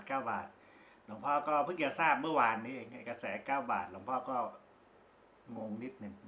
หลวงพ่อก็เพิ่งจะทราบเมื่อวานนี้กระแส๙บาทหลวงพ่อก็งงนิดนึง